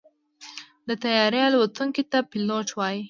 د طیارې الوتونکي ته پيلوټ وایي.